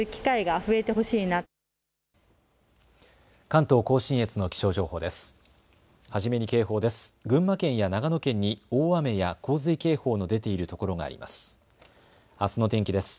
関東甲信越の気象情報です。